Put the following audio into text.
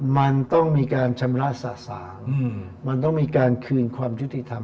มันต้องมีการชำระสะสางมันต้องมีการคืนความยุติธรรม